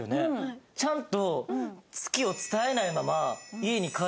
ちゃんと。